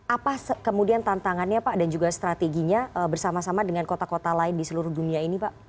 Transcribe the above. apa kemudian tantangannya pak dan juga strateginya bersama sama dengan kota kota lain di seluruh dunia ini pak